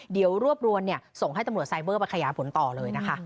เดี๋ยวรวบรวมส่งให้ตำรวจไซเบอร์ไปขยายผลต่อเลยนะคะ